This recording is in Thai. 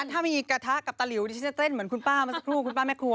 ถ้ามีกระทะกับตะลิวดิตเจนเหมือนคุณป้าธนูคุณป้าแม่ครัว